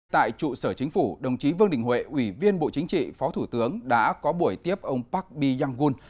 tại trụ sở chính phủ đồng chí vương đình huệ ủy viên bộ chính trị phó thủ tướng đã có buổi tiếp ông park bi yang gun